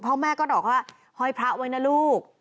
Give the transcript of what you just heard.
พ่อแม่ก็บอกว่าห้อยพระไว้นะลูก